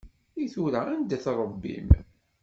I tura anda-t Ṛebbi-m?